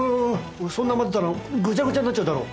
そんな混ぜたらぐちゃぐちゃになっちゃうだろ。